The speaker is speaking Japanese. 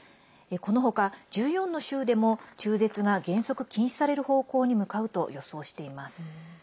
このほか１４の州でも中絶が原則、禁止される方向に向かうと予想しています。